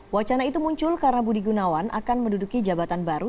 wacana itu muncul karena budi gunawan akan menduduki jabatan baru